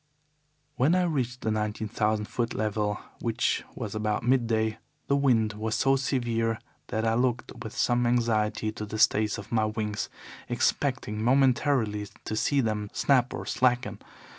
"When I reached the nineteen thousand foot level, which was about midday, the wind was so severe that I looked with some anxiety to the stays of my wings, expecting momentarily to see them snap or slacken.